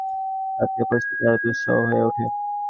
তাতে পরিস্থিতি আরো দুঃসহ হয়ে উঠে।